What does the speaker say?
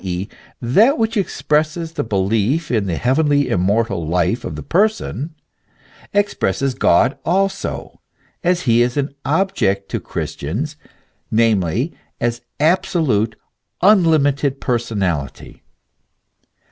e., that which expresses the belief in the heavenly, immortal life of the person, expresses God also, as he is an object to Christians, namely, as absolute, unlimited personality.